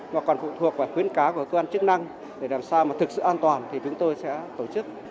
mà còn phụ thuộc vào khuyến cáo của cơ quan chức năng để làm sao mà thực sự an toàn thì chúng tôi sẽ tổ chức